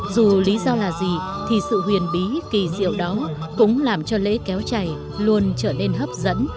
dù lý do là gì thì sự huyền bí kỳ diệu đó cũng làm cho lễ kéo chày luôn trở nên hấp dẫn